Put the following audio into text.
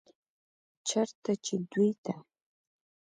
چرته چې دوي ته